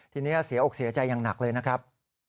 ทีนี้เสียอกเสียใจอย่างหนักเลยนะครับ